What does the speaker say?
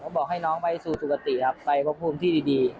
พูดเหรอก็บอกให้น้องไปสู่สุขติครับไปภพภูมิที่ดี